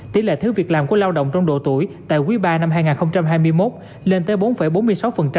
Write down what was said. tỷ lệ thiếu việc làm của lao động trong độ tuổi tại quý ba năm hai nghìn hai mươi một lên tới bốn bốn mươi sáu